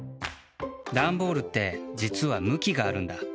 ダンボールってじつはむきがあるんだ。